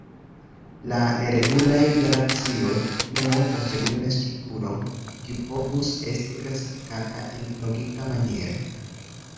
La neregulaj galaksioj ne montras regulan strukturon kiu povus esti klasifikata en logika maniero.